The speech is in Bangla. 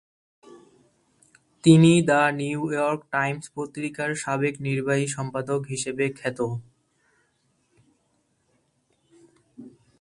তিনি দ্য নিউ ইয়র্ক টাইমস পত্রিকার সাবেক নির্বাহী সম্পাদক হিসেবে খ্যাত।